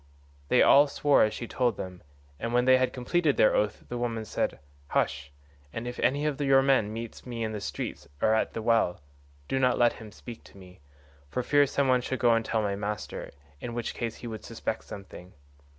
"They all swore as she told them, and when they had completed their oath the woman said, 'Hush; and if any of your men meets me in the street or at the well, do not let him speak to me, for fear some one should go and tell my master, in which case he would suspect something.